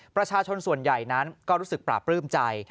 ประชาชนส่วนใหญ่นั้นก็รู้สึกปราบปลื้มใจ